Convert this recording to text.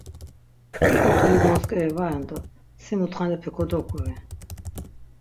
Ek̆o toli gontzk̆eri va ren do si mutxanepe kodoguri.